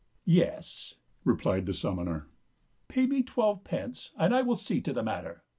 "Yes," replied the summoner; "pay me twelve pence, and I will see to the matter.